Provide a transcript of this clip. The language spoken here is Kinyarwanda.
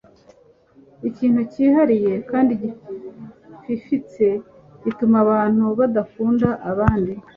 Ikintu cyihariye kandi gififitse gituma abantu badakunda abandi